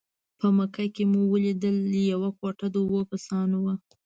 په مکه کې مو ولیدل یوه کوټه د اوو کسانو وه.